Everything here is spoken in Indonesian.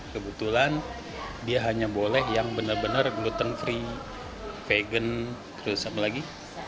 kebetulan dia hanya boleh yang benar benar gluten free vegan terus apa lagi